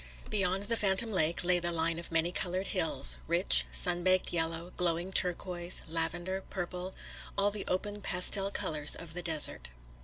Beyond the phantom lake lay the line of many colored hills; rich, sun baked yellow, glowing turquoise, lavender, purple; all the open, pastel colors of the desert.